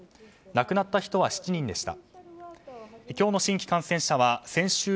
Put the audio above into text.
亡くなった人は７人でした。